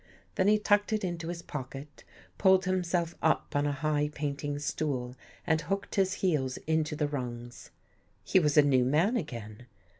Then he tucked it into his pocket, pulled him self up on a high painting stool and hooked his heels into the rungs. He was a new man again.